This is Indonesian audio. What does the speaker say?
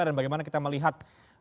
dan bagaimana kita melihat